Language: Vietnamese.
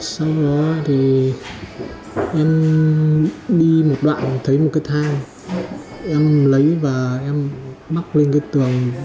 sau đó thì em đi một đoạn thấy một cái thang em lấy và em mắc lên cái tường